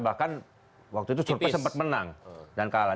bahkan waktu itu survei sempat menang dan kalah